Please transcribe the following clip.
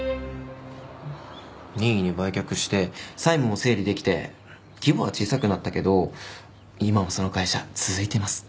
任意に売却して債務も整理できて規模は小さくなったけど今もその会社続いています。